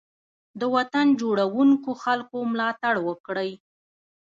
د وطن جوړونکو خلګو ملاتړ وکړئ.